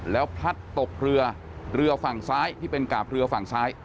แล้วพลัดตกเรือเรือฝั่งซ้ายที่เป็นกาบเรือฝั่งซ้าย